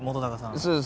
そうです。